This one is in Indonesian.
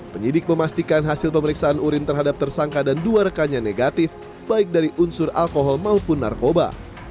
penyidik memastikan hasil pemeriksaan urin terhadap tersangka dan dua rekannya negatif baik dari unsur alkohol maupun narkoba